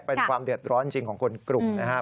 เป็นความเดือดร้อนจริงของคนกลุ่มนะครับ